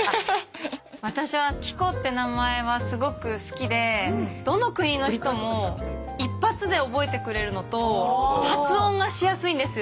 私は「希子」って名前はすごく好きでどの国の人も一発で覚えてくれるのと発音がしやすいんですよ。